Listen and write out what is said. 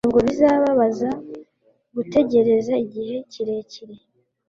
Ntabwo bizababaza gutegereza igihe kirekire